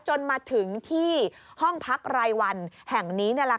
จนมาถึงที่ห้องพักรายวันแห่งนี้นี่แหละค่ะ